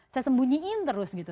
saya sembunyiin terus gitu